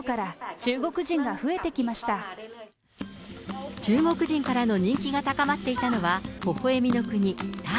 中国人からの人気が高まっていたのは、ほほえみの国、タイ。